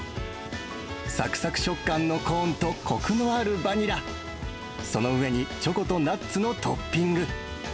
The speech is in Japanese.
さくさく食感のコーンと、こくのあるバニラ、その上にチョコとナッツのトッピング。